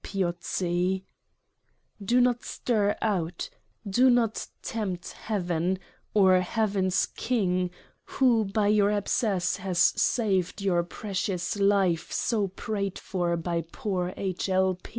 PIOZZI. Do not stir out : do not tempt Heaven or Heaven's King, who by your abscess has saved your precious life so prayed for by poor H. L.